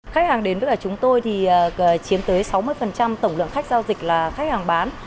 khách hàng đến với chúng tôi thì chiếm tới sáu mươi tổng lượng khách giao dịch là khách hàng bán